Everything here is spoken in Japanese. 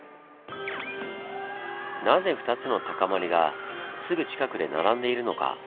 なぜ２つの高まりがすぐ近くで並んでいるのか？